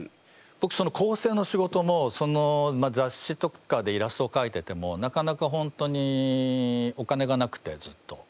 ぼくその構成の仕事もざっしとかでイラストをかいててもなかなか本当にお金がなくてずっと。